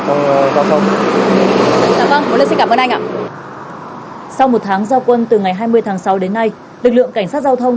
trong giao thông sau một tháng giao quân từ ngày hai mươi tháng sáu đến nay lực lượng cảnh sát giao thông